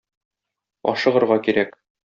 Ашыгырга кирәк.